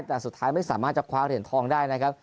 แต่สุดท้ายไม่สามารถจะคว้าเหรียญทองได้นะครับ